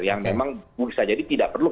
yang memang bisa jadi tidak perlu